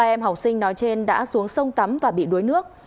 hai em học sinh nói trên đã xuống sông tắm và bị đuối nước